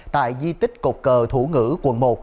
tại di tích cột cờ thủ ngữ quần một